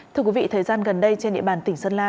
thưa quý vị thời gian gần đây trên địa bàn tỉnh sơn la